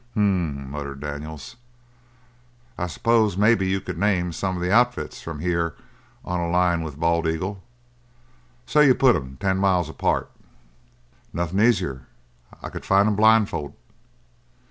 "H m m!" muttered Daniels. "I s'pose maybe you could name some of the outfits from here on a line with Bald Eagle say you put 'em ten miles apart?" "Nothin' easier. I could find 'em blindfold.